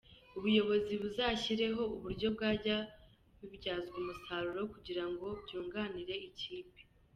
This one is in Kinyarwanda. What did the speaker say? Ubuyobozi buzashyireho uburyo byajya bibyazwa umusaruro kugira ngo byunganire ikipe.